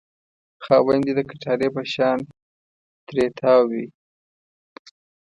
خاوند یې د کټارې په شان ترې تاو وي.